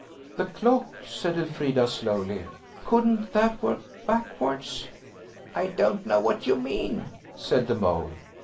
"The clock!" said Elfrida slowly. "Couldn't that work backwards?" "I don't know what you mean," said the Mole.